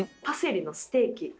パセリのステーキ？